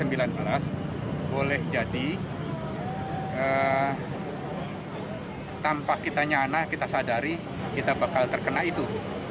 boleh jadi tanpa kitanya anak kita sadari kita bakal terkena itu